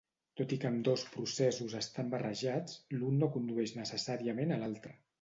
Tot i que ambdós processos estan barrejats, l'un no condueix necessàriament a l'altre.